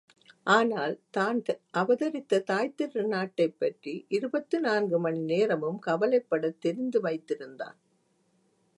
ஆனால், தான் அவதரித்த தாய்த் திருநாட்டைப்பற்றி இருபத்து நான்கு மணி நேரமும் கவலைப்படத் தெரிந்து வைத்திருந்தான்.